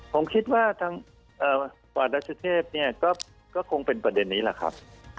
ผมคิดว่าทางปอดดัชเทพเนี่ยก็คงเป็นประเด็นนี้แหละครับ